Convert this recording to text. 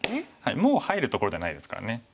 もう入るところではないですからね。